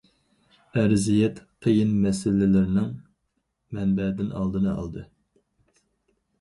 ئەرزىيەت قىيىن مەسىلىلىرىنىڭ مەنبەدىن ئالدىنى ئالدى.